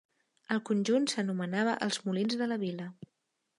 El conjunt s'anomenava els Molins de la Vila.